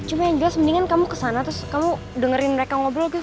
cuma yang jelas mendingan kamu kesana terus kamu dengerin mereka ngobrol gitu